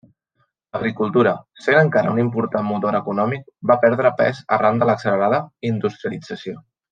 L'agricultura, sent encara un important motor econòmic, va perdre pes arran de l'accelerada industrialització.